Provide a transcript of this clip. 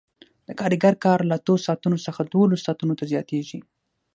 د کارګر کار له اتو ساعتونو څخه دولسو ساعتونو ته زیاتېږي